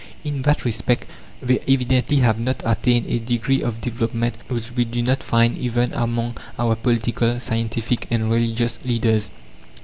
In that respect they evidently have not attained a degree of development which we do not find even among our political, scientific, and religious leaders.